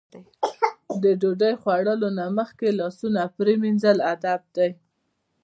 د ډوډۍ خوړلو نه مخکې لاسونه پرېمنځل ادب دی.